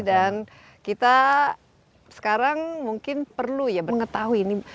dan kita sekarang mungkin perlu ya mengetahui ini